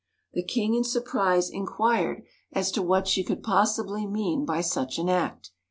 The King in surprise inquired as to what she could possibly mean by such an act.